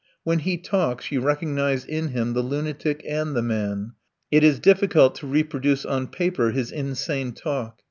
When he talks you recognize in him the lunatic and the man. It is difficult to reproduce on paper his insane talk.